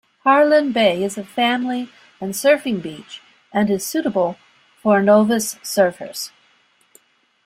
Harlyn Bay is a family and surfing beach and is suitable for novice surfers.